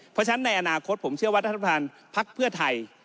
เพราะฉะนั้นในอนาคตผมเชื่อว่ารัฐบาลภักดิ์เพื่อไทย